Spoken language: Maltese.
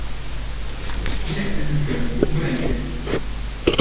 Hawnhekk qed nitkellmu fuq brain deads.